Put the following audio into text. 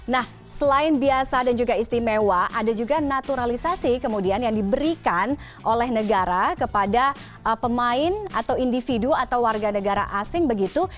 nah selain biasa dan juga istimewa ada juga naturalisasi kemudian yang diberikan oleh negara kepada pemain atau individu atau warga negara asing begitu